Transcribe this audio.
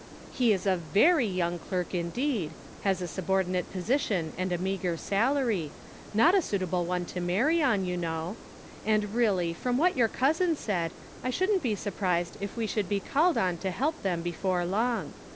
" He is a very young clerk indeed, has a subordinate position and a meager salary — not a suitable one to marry on, you know ; and really, from what your cousin said, I shouldn't be surprised if we should be called on to help Cake Mathematically Considered. 67 them before long.